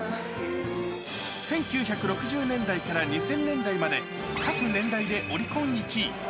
１９６０年代から２０００年代まで、各年代でオリコン１位。